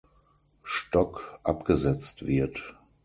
Stock abgesetzt wird.